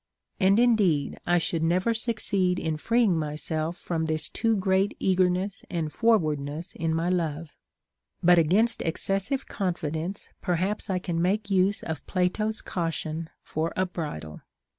And indeed I should never succeed in freeing myself from this too great eagerness and forwardness in my love ; but against excessive confi dence perhaps I can make use of Plato's caution for a bridle.